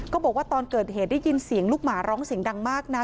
บอกว่าตอนเกิดเหตุได้ยินเสียงลูกหมาร้องเสียงดังมากนะ